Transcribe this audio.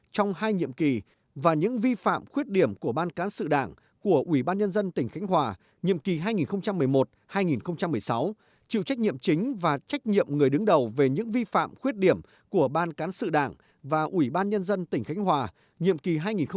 trong hai nhiệm kỳ và những vi phạm khuyết điểm của ban cán sự đảng của ủy ban nhân dân tỉnh khánh hòa nhiệm kỳ hai nghìn một mươi một hai nghìn một mươi sáu chịu trách nhiệm chính và trách nhiệm người đứng đầu về những vi phạm khuyết điểm của ban cán sự đảng và ủy ban nhân dân tỉnh khánh hòa nhiệm kỳ hai nghìn một mươi sáu hai nghìn một mươi sáu